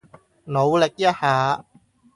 努力一下